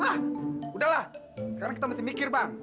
ah udahlah sekarang kita mesti mikir bang